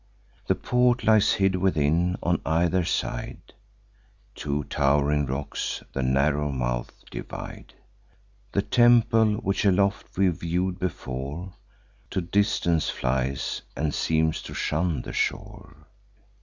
The port lies hid within; on either side Two tow'ring rocks the narrow mouth divide. The temple, which aloft we view'd before, To distance flies, and seems to shun the shore.